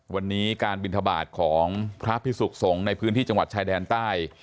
วันนี้การบินทบาทของพระพิสุขสงฆ์ในพื้นที่จังหวัดชายแดนใต้